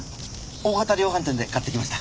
大型量販店で買ってきました。